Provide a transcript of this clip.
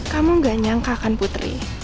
kamu gak nyangka kan putri